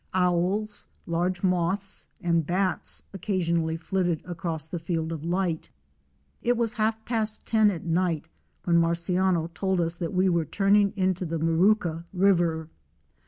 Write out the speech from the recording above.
Owls, large moths and bats occasionally flitted across the field of light. It was half past ten at night when Marciano told us that we were turning into the Morooka River.